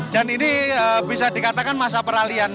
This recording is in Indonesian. dan ini bisa dikatakan masa peralihan